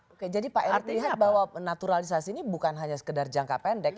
oke jadi pak rt lihat bahwa naturalisasi ini bukan hanya sekedar jangka pendek